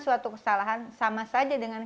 suatu kesalahan sama saja dengan